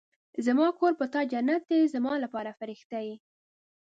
زما کور په تا جنت دی ، زما لپاره فرښته ېې